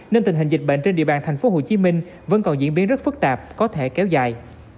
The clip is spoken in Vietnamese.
nên tình hình dịch bệnh trên địa bàn thành phố hồ chí minh vẫn còn diễn biến rất phức tạp có thể kéo dài